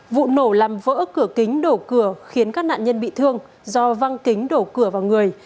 vụ nổ làm vỡ cửa kính đổ cửa khiến các nạn nhân bị thương do văng kính đổ cửa vào người